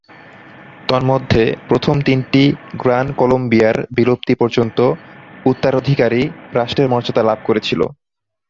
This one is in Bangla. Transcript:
তন্মধ্যে, প্রথম তিনটি গ্রান কলম্বিয়ার বিলুপ্তি পর্যন্ত উত্তরাধিকারী রাষ্ট্রের মর্যাদা লাভ করেছিল।